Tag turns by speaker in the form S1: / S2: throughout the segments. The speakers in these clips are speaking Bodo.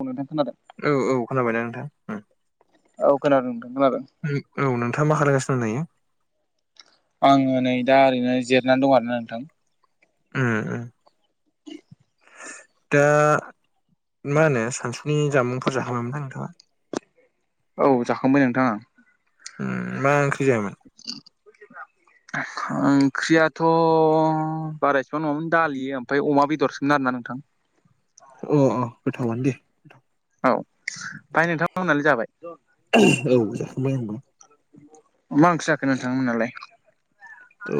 S1: औ खोनादों
S2: औ औ खोनाबाय न नोंथां
S1: औ खोनादों खोनादों
S2: औ नोंथाङा मा खालायगासिनो दायो
S1: आङो नै दा ओरैनो जिरनानै दं आरोना नोंथां
S2: उम दा मा होनो सानसुनि जामुंफोर जाखामामोनथायां नोंथाङा
S1: औ जाखांबाय नोंथाङा
S2: मा ओंख्रि जायामोन
S1: [inaudible] ओंख्रियाथ' बारासेबां नङामोन दालि ओमफ्राय अमा बेदरसोमोन आरोना नोंथां
S2: अ अ गोथावानो दे
S1: ओमफ्राय नोंथां मोननानै जाबाय
S2: औ जाखांबाय होनबा
S1: मा ओंख्रि जाखो नोंथा मोनालाय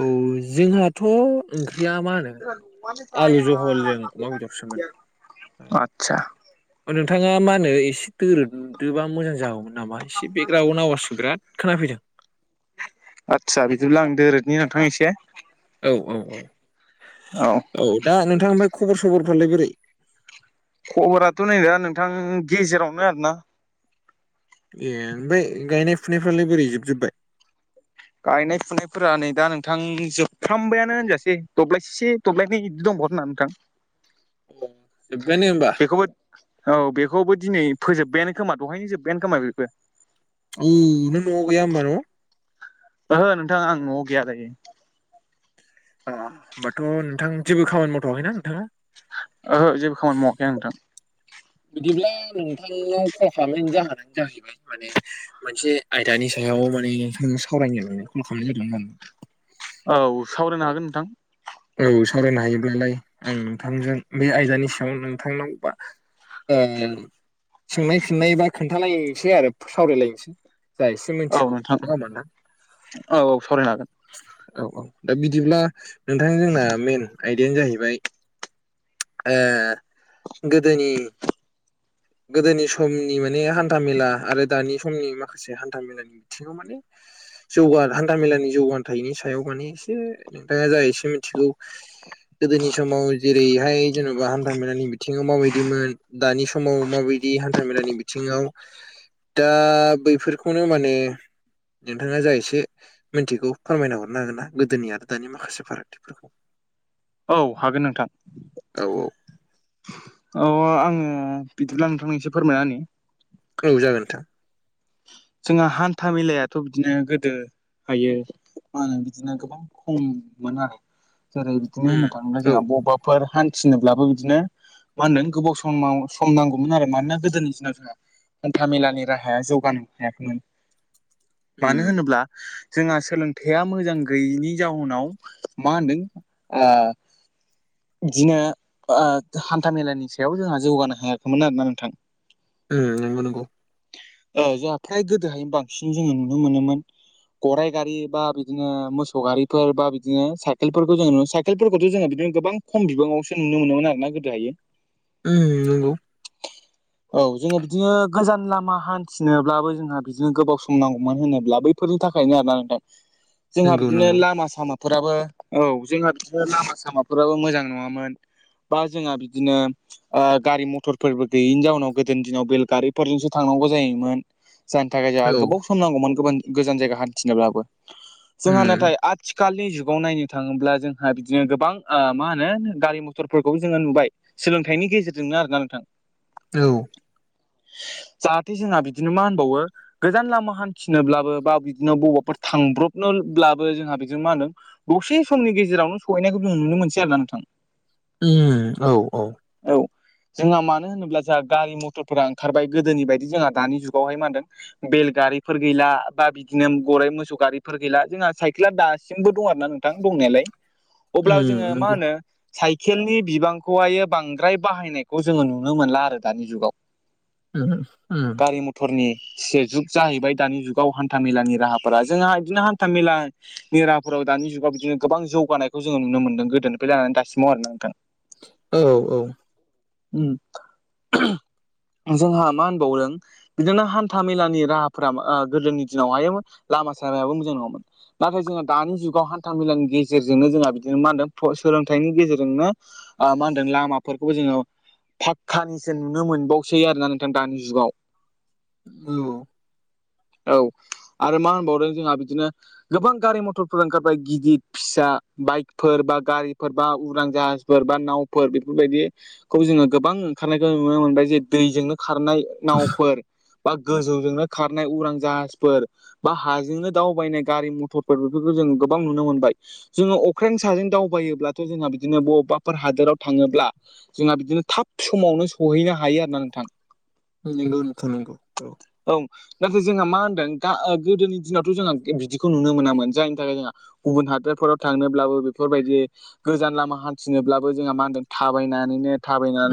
S2: औ जोंहाथ' ओंख्रिया मा होनो आलु जहलजों अमा बेदरसोमोन
S1: आतसा
S2: नोंथाङा मा होनो एसे दोरोदोबा मोजां जागौमोन नामा एसे बेकग्राअनाव बिराद आवास खोनाफैदों
S1: आदसा बिदिब्ला आं दोरोदनि नोंथां एसे
S2: औ औ औ
S1: औ
S2: औ दा नोंथां ओमफ्राय खबर सबरफ्रालाय बोरै
S1: खबराथ' नै दा नोंथां गेजेरावनो आर ना
S2: ए ओमफ्राय गायनाय फुनायफ्रालाय बोरै जोबजोबबाय
S1: गायनाय फुनायफोरा नै दा नोंथां जोबफ्रामबायानो होनजाासै दब्लायसेसे दब्लायनि बिदि दंबावो नोंथां [inaudible]
S2: जोबबायानो होमबा
S1: बेखौबो औ बेखौबो दिनै फोजोब्बायानो खोमा दहायनोजोब्बायानो खोमा बेखौ
S2: नों न‌आव गैया होमबा ना
S1: ओहो नोंथांा आं न'आव गैयालायो
S2: अ होमबाथ' नोंथां जेबो खामानि मावथ'वाखैना नोंथाङा
S1: ओहो जेबो खामानि मावाखै नोंथां
S2: बिदिब्ला नोंथांनाव खम खालामनायनि जाहोनानो जाहैबाय माने मोनसे आयदानि सायाव माने नोंथां सावरायनोनानै कल खालामनाय जादों होन
S1: औ सावरायनो हागोन नोंथां
S2: औ सावरायनो हायोब्लालाय आं नोंथांजों बे आयदानि सायाव नोंथांनाव बा सोंनाय फिननाय बा खोन्थालायसै आरो सावरायलायनोसै ज एसे
S1: औ
S2: मिथिगौ
S1: नोंथां
S2: ना होमोनदां
S1: औ औ सावरायनो हागोन
S2: औ औ दा बिदिब्ला नोंथां जोंना मेन आयदायानो जाहैबाय गोदोनि गोदोनि समनि माने हान्थाामेला आरो दानि समनि माखासे हान्था मेलानि बिथिङाव माने जौग हान्थाामेलानि जौगान थायिनि सायाव माने एसे नोंथाङा जा एसे मिथिगौ
S1: [unintelligible]
S2: गोदोनि समाव जेरैहाय जेन'बा हान्था मेलानि बिथिङाव माबायदिमोन दानि समाव समाव माबायदि हान्थामेलानि बिथिङाव। दा बैफोरखौनो माने नोंथाङा जा एसे मिथिगौ फोरमायना हरनो हागोन ना गोदोनि आरो दानि माखासे फारागथिफोर
S1: औ हागोन नोंथां।
S2: औ
S1: अ आङो बिदिब्ला नोंथांनिससे फोरमायना होनि।
S2: औ जागोन नोंथां।
S1: जोंहा हान्था मेलायाथ' बिदिनो गोदो हायो मा होनो बिदिनो गोबां खममोन आरो। जेरै बिदिनो होननो
S2: उम
S1: थाङोब्ला
S2: औ
S1: जोंहा बबेबा फोर हान्थिनोब्लाबो बिदिनो मा होनोन गोबाव सम सम नांगौमोन आरो। मानोना गोदोनि दिनाव जोंहा हान्था मेलानि राहाया जौ हायाखैमोन। मानो
S2: उम
S1: होनोब्ला जोंहा सोलोंथाइया मोजां गैयैनि जााहोनाव मा होनदों बिदिनो हान्था मेलानि सायाव जोंहा जौगानो होायाखैमोन आरोना नोंथां।
S2: आनोना
S1: जोंहा फ्राय गोदोहाय बांसिन जोङो नुनो मोनोमोन। गराइ गारि बा बिदिनो मोसौ गारिफोर बा बिदिनो साइकेलफोरखौ जों नु थिनायफोरखौथ' जोङो बिदिनो गोबां खम बिबाङावसो नुनो मोनोमोन आरोना गोदोहायो।
S2: ओ नंगौ।
S1: औ जोङो बिदिनो गोजान लामा हान थिनोब्लाबो जोंहा बिदिनो गोबाव सम नांगौमोन होनोब्ला बैफोरनि थाखायनो आरोना नोंथां। जोंहा
S2: नंगौ
S1: बिदिनो
S2: नंगौ
S1: लामा सामाफोराबो औ जोंहा बिदिनो लामा सामाफोराबो मोजां नङामोन। बा जोंहा बिदिनो गारि मथरफोरबो गैयिनि जाउनाव गोदोनि दिनाव बेलगारिफोरजोंसो थांनांगौ जायो मोन। जायनि थाखाय जोंहा
S2: औ
S1: गोबाव सम नांगौमोन गोजान जायगा हान्थिनोब्लाबो। जोंहा
S2: उम
S1: नाथाय आ थिखालनि जुगाव नायनो थाङोब्ला जोंहा बिदिनो गोबां मा होनो गारि मथरफोरखौबो जोङो नुबाय। सोलोंथाइनि गेजेरजोंनो आरोना नोंथां।
S2: औ।
S1: जाहाथे जोंहा बिदिनो मा होनबावो गोजान लामा हान्थिनोब्लाबो बा बिदिनो बबाफोर थांब्रबनोब्लाबो जोंहा बेजोंनो मा होनदों दसे समनि गेजेरावनो सहैनायखौ जों नुनो मोनसै आरोना नोंथां।
S2: औ औ।
S1: औ जोंहा मानो होनोब्ला जोंहा गारि मथरफोरा ओंखारबाय। गोदोनि बायदि जोंहा दानि जुगा गाव मा होनदों। बेल गारिफोर गैला, बा बिदिनो गराइ मोसौ गारिफोर गैला, जोंहा साइकेला दास सिमबो दं आरो ना नोंथां दंनायालाय। अब्ला
S2: उम
S1: जोङो मा
S2: नंगौ
S1: होनो साइकेलनि बिबांखौहाय बांद्राय बाहायनायखौ जोङो नुनो मोनला आरो दानि जुगाव।
S2: [unintelligible]
S1: फोरनि सेसे जुग जाहैबाय दानि जुगाव हान्था मेलानि राहाफोरा। जोंहा बिदिनो हान्थामेला फोराव दानि जुगाव बिदिनो गोबां जौगानायखौ जोङो नुनो मोन्दों। गोदोनिफ्राय जानानै दासिमाव आरोना नोंथां।
S2: औ औ।
S1: जोंहा मा होनबावदों। बिदिनो हान्था मेलानि राहाफोरा गोदोनि दिनाव हायोमोन लामा सामायाबो मोजां नङामोन। नाथाय जोंहा दानि जुगाव हान्थामेलानि गेजेरजोंनो जोंहा बिदिनो मा होनदों सोलोंथाइनि गेजेरजोंनो मा होनदों लामाफोरखौबो जोङो पाक्कानिसो नुनो मोनबावसै आरोना नोंथां दानि जुगाव।
S2: औ।
S1: औ आरो मा होनबावदों जोंहा बिदिनो गोबां गारि मथरफोर ओंखारबाय गिदिर फिसा बाइकफोर बा गारिफोर बा उदां जाहाज बा नावफोर बेफोरबायदिखौ जोङो गोबां ओंखारनायखौ नुनो मोनबाय। जे दैजोंनो खारनाय नावफोर बा गोजौजोंनो खारनाय उरां जाहाजफोर, बा हाजोंनो दावबायनाय गारि मथरफोर बेफोरखौ जोङो गोबां नुनो मोनबाय। जोङो अख्रें साजों दावबायोब्लाथ' जोंहा बिदिनो बबेबाफोर हादोराव थाङोब्ला जोंना बिदिनो थाब समावनो सहैनो हायो आरोना नोंथां।
S2: नंगौ नोंथां नंगौ।
S1: औ नाथाय जोंहा मा होनदों गोदोनि दिनावथ' जोंहा बिदिखौ नुनो मोनामोन जायनि थाखाय जोंहा गुबुन हादरफोराव थांनोब्लाबो बेफोरबायदि गोजान लामा हान्थिनोब्लाबो जोंहा मा होनदों थाबायनानैनो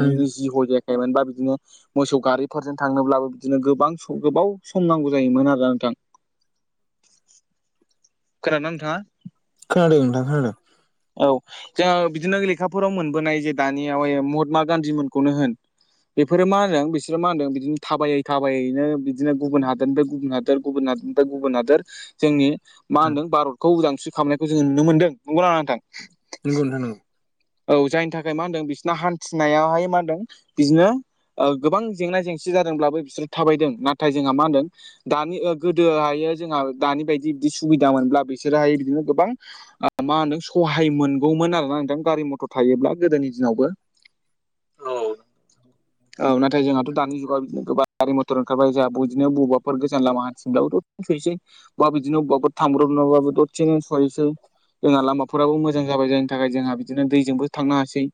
S2: उम
S1: जि ह जायाखायोन बा बिदिनो मोसौ गारिफोरजों थांनोब्लाबो बिदिनो गोबां गोबाव सम नांगौ जायोमोन आरोा नोंथां। खोनाना नोंथाङा?
S2: खोनादों नोथां खोनादों।
S1: औ जोङो बिदिनो लेखाफोराव मोनबोनाय जे दानिया महात्मा गान्धी मोनखौनो होन बेफोरो मा होनो बिसोरो मा होनदों बिदिनो थाबायै थाबायैनो बिदिनो गुबुन हादोरनिफ्राय गुबुन हादोर गुबुन हादोरनिफ्राय गुबुन हादोर जोंनि मा होन्दों भारतखौ उदांस्रि खालामनायखौ जोङो नुनो मोनदों नंगौना नङा नोंथां
S2: नोंगौ नोंथां नोंगौ
S1: औ जायनि थाखाय मा होनदों बिसोरना हान्थिनायाहाय मा होनदों बिदिनो गोबां जेंना जेंसि जादोंब्लाबो बिसोरो थाबायदों नाथाय जोंहा मा होनदों दानि गोदोहायो जोंहा दानि बायदि बिदि सुबिदा मोनब्ला बिसोरोहायो बिदिनो गोबां मा होनदों सहाय मोनगौमोन आरोना नोंथां गारि मथर थायोब्ला गोदोनि दिनावबो
S2: औ
S1: औ नाथाय जोंहाथ' दानि जुगाव बिदिनो गोबां गारि मटर ओंखारबाय जहा ब बिनो बबाफोर गोजान लामा हान्थिनब्लाबोथ' थैसै बा बिदिनो अबेआवबो थांब्रबनोबाबो सहैसो जोंना लामा फोरराबो मोजां जाबाय जायनि थाखाय जोंहा बिदिनो दैजोंबो थांनो हासै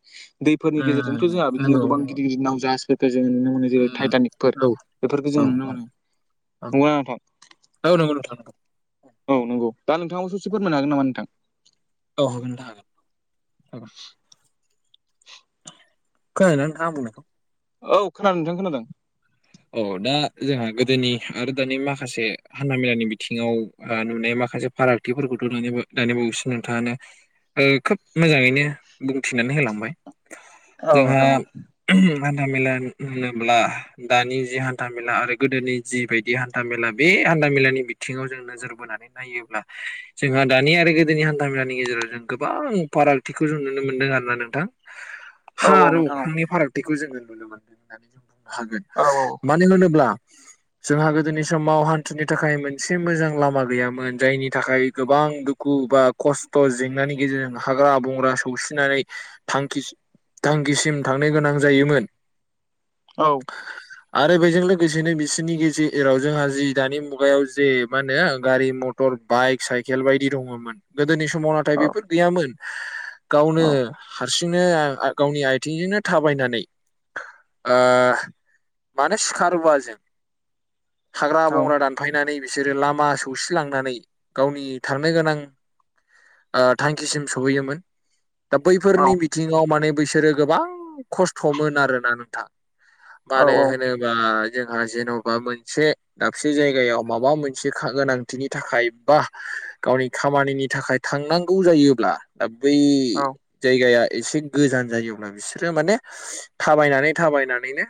S1: दैफोरनि
S2: उम
S1: गेजेरजोंथ' जोंहा बिदिनो
S2: नंगौ
S1: गोबां
S2: नंगौ
S1: गिदिर गिदिर नाव जाहाजफोरखौ जो नुनो मोनो जरै
S2: उम
S1: टाइटानिकफोर
S2: औ
S1: बेफोरखौ
S2: औ
S1: जों नुनो
S2: औ
S1: मोनो नंगौना नोंथां
S2: औ नंगौ
S1: औ नंगौ दा नोंथाङाव ससे फोरमनो हागोन नामा नोंथां।
S2: औ होगोन दा हागोन हागोन खोनादोंना नोंथां आं बुंनायखौ
S1: औ खोनादों नोंथां खोनादों
S2: औ दा जोंहा गोदोनि आरो दानि माखासे हान् मेलानि बिथिङाव नुनाय माखासे फारागथिफोरखौथ' दानिबावैसो नोंथाङानो खोब मोजाङैनो बुंथिनानै होलांबाय
S1: औ
S2: जोंहा
S1: नोंथां औ
S2: हान्था मेला होनोब्ला दानि जि हान्था मेला आरो गोदोनि जि बायदि हान्था मेला बे हान्था मेलानि बिथिङाव जोंनो नोजोर बोनानै नायोब्ला जोंहा दानि आरो गोदोनि हान्था मेलानि गेजेराव जों गोबां फारागथिखौ जों नुनो मोनदों आरोना नोंथां
S1: औ
S2: हा
S1: औ
S2: आरो
S1: नोंथां औ
S2: अख्रांनि फारागथिखौ जोङो नुनो मोनदों होननानै जों बुंनो हागोन
S1: औ औ
S2: मानो होनोब्ला जोंहा गोदोनि समाव हान्थुनि थाखाय मोनसे मोजां लामा गैयामोन जायनि थाखाय गोबां दुख खु बा खस्थ' जेंनानि गेजेरजों हाग्रा बंग्रा सौसिनानै थांखिसि थांखिसिम थांनो गोनां जायोमोन
S1: औ
S2: आरो बेजों लोगोसेनो बिसोरनि गेजेराव जोंहा जि दानि मुगायाव जे मा होनो गारि मट मटर बाइक साइकेल बायदि दङमोन गोदोनि समाव नाथाय बेफोर गैयामोन गावनो
S1: औ
S2: हार सिंनो गावनि आइथिंजोंनो थाबायनानै ओह मानो सिखा रुवाजों हाग्रा
S1: औ
S2: बंग्रा दान फायनानै बिसोरो लामा सौसिलांनानै गावनि थांनो गोनां ओ थांखिसिम सहैयोमोन। दा बैफोरनि बिथिङाव माने बैसोरो गोबां खस्थ'मोन आरोना नोंथां।
S1: औ
S2: मानो होनोबा जोंहा जेन'बा मोनसे दाबसे जायगायाव माबा मोनसे खा गोनांथिनि थाखाय बा गावनि खामानिनि थाखाय थांनांगौ जायोब्ला दा बै
S1: औ
S2: जायगाया एसे गोजान जायोब्ला बिसोरो माने थाबायनानै थाबायनानैनो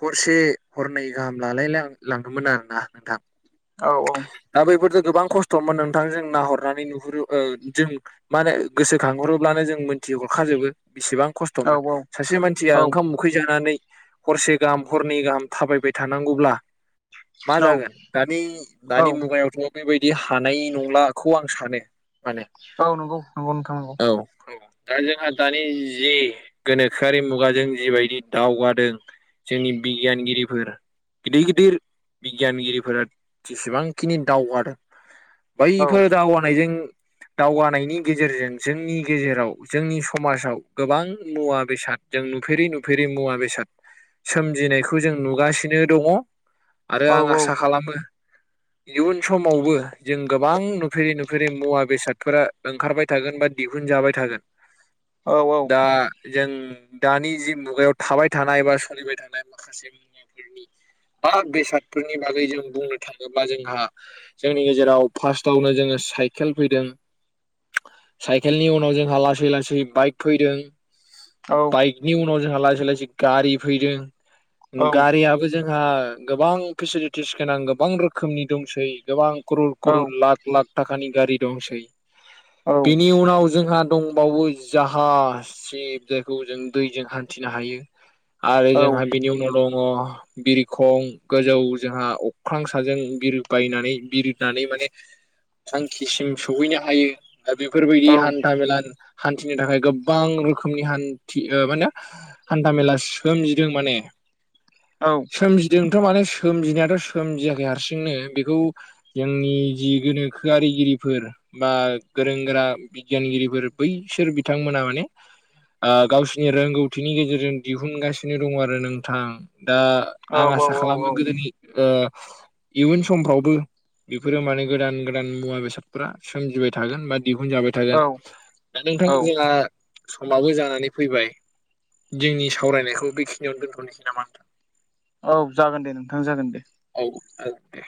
S2: हरसे हरनै गाहाम लालाय लां-लांदोंमोन आरोना नोंथां।
S1: औ औ
S2: दा बैफोरजों गोबां खस्थ'मोन नोंथां जों नाहरनानै नुहुरो ओ जों मा होनो गोसोखांहरोब्लानो जों मोनथि हरखाजोबो बेसेबां खस थ'मोन
S1: औ
S2: सासे मानसिया
S1: औ
S2: ओंखाम उखै जानानै हरसे गाहाम हरनै गाहाम थाबायबाय थानांगौब्ला मा
S1: औ
S2: जागोन दानि
S1: औ
S2: दानि मुगायावथ' बेबायदि हानाय नंलाखौ आं सानो माने।
S1: औ नंगौ नंगौ नोंथां नंगौ।
S2: औ दा जोंहा दानि जि गोनोखोआरि मुगाजों जिबायदि दावगा दों जोंनि बिगियानगिरिफोरा गिदिर गिदिर बिगियानगिरिफोरा जेसेबांखिनि दावगादों
S1: औ
S2: बैफोर दावगानायजों दावगानायनि गेजेरजों जोंनि गेजेराव जोंनि समाजाव गोबां मुवा बेसाद जों नुफेरि नुफेरि मुवा बेसाद सोमजिनायखौ जों नुगासिनो दङ
S1: औ
S2: आरो आं
S1: औ
S2: आसा खालामो इयुन समावबो जों गोबां नुफेरै नुफेरै मुवा बेसादफोरा ओंखारबाय थागोन बा दिहुनजाबाय थागोन।
S1: औ औ
S2: बा जों दानि जि मुगायाव थाबाय थानाय बा सोलिबाय थानाय माखासे [unintelligible] [unintelligible] बा बेसादफोरनि बागै जों बुंनो थाङोब्ला जोंहा जोंनि गेजेराव फार्स्टआवनो जोङो साइकेल फैदों साइकेलनि उनाव जोंहा लासै लासै बाइक फैदों
S1: औ
S2: बाइकनि उनाव जोंहा लासै लासै गारि फैदों उम गारियाबो जोंहा गोबां फेसिलिटिस गोनां गोबां रोखोमनि दंसै गोबां क्र'र
S1: औ
S2: क्र'र लाख लाख थाखानि गारि दंसै
S1: औ
S2: बिनि उनाव जोंहा दंबावो जाहास सिप जायखौ जों दैजों हान्थिनो हायो। आरो
S1: औ
S2: जोंहा बिनि उनाव दङ बिरखं गोजौ जोंहा अख्रां साजों बिर बायनानै बिरनानै माने थांखिसिम सहैनो हायो। बेफोरबायदि हान्था मेला हान्थिनो थाखाय गोबां रोखोमनि हान्थि मा होनो हान्था मेला सोमजिदों माने।
S1: औ
S2: सोमजिदोंथ' माने सोमजिनायाथ' सोमजियाखै हारसिंनो बेखौ जोंनि जि गोनोखोआरिगिरिफोर बा गोरों गोरा बिगियानगिरिफोर बैसोर बिथांमोना माने आ गावसिनि रोंगौथिनि गेजेरजों दिहुनगासिनो दङ आरो नोंथां दा आं आसा खालामो गोदोनि ओ इयुन समफ्रावबो बेफोरो माने गोदान गोदान मुवा बेसादफोरा सोमजिबाय थागोन बा दिहुनजाबाय
S1: औ
S2: थागोन दा नोंथां
S1: औ
S2: जोंहा समाबो जानानै फैबाय। जोंनि सावरायनायखौ बेखिनियावनो दोनथ'नोसै नामा नोंथां?
S1: औ जागोन दे नोंथां जागोन दे।
S2: औ आक दे